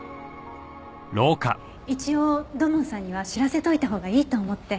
一応土門さんには知らせておいたほうがいいと思って。